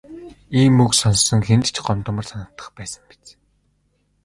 Ийм үг сонссон хэнд ч гомдмоор санагдах байсан биз.